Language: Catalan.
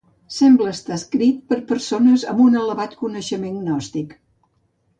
Sembla estar escrit per a persones amb un elevat coneixement gnòstic.